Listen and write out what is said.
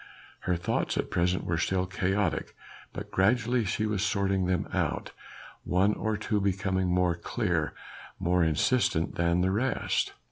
Her thoughts at present were still chaotic but gradually she was sorting them out, one or two becoming more clear, more insistent than the rest.